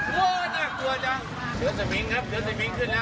เกี่ยวบอกเสื้อสมิงด้วยเนี่ย